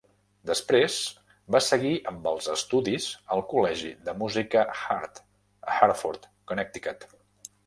Després va seguir amb els estudis al Col·legi de Música Hartt, a Hartford (Connecticut).